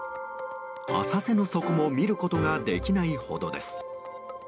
浅瀬の底も見ることができないほどです。